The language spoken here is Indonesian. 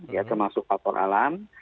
ya termasuk faktor alam